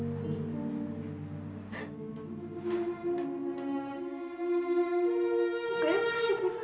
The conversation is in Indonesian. saya selalu berhutang dengan sintia